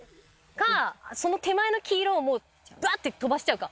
かその手前の黄色をバッて飛ばしちゃうか。